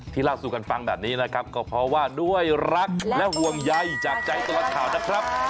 เล่าสู่กันฟังแบบนี้นะครับก็เพราะว่าด้วยรักและห่วงใยจากใจตลอดข่าวนะครับ